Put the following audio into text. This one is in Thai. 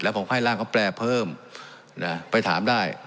ผมให้ร่างเขาแปลเพิ่มนะไปถามได้